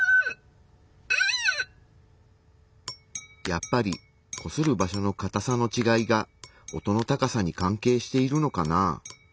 やっぱりこする場所のかたさのちがいが音の高さに関係しているのかなぁ。